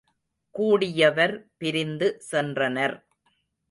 கூடியவர் பிரிந்து சென்றனர்.